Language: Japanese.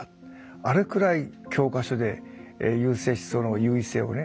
あれくらい教科書で優生思想の優位性をね